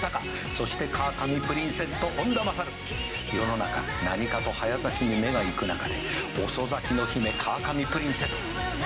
「そしてカワカミプリンセスと本田優」「世の中何かと早咲きに目がいく中で遅咲きの姫カワカミプリンセス」